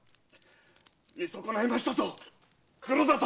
見損ないましたぞ黒田様！